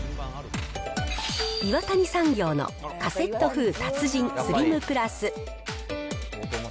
岩谷産業のカセットフー達人スリムプラス。